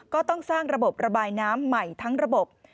ก็ต้องสร้างระบบระบายน้ำใหม่ทั้งระบบ